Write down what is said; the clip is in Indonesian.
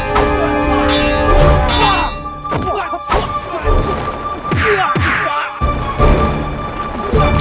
perbuatan para monica